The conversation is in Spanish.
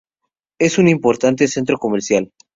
Es un importante centro comercial.